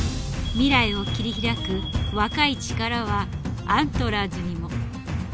未来を切り開く若い力はアントラーズにも。